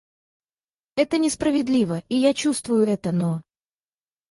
Это несправедливо, и я чувствую это, но...